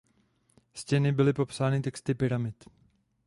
Stěny byly popsány Texty pyramid.